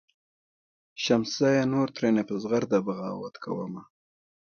"شمسزیه نور ترېنه په زغرده بغاوت کومه.